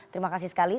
terima kasih sekali